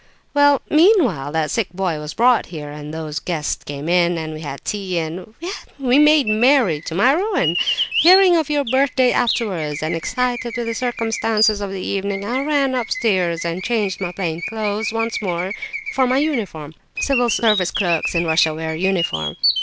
"Well, meanwhile that sick boy was brought here, and those guests came in, and we had tea, and—well, we made merry—to my ruin! Hearing of your birthday afterwards, and excited with the circumstances of the evening, I ran upstairs and changed my plain clothes once more for my uniform [Civil Service clerks in Russia wear uniform.